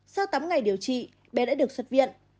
sau tám ngày điều trị bé đã được xuất viện